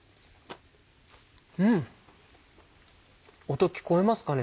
音聞こえますかね？